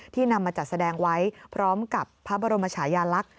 นำมาจัดแสดงไว้พร้อมกับพระบรมชายาลักษณ์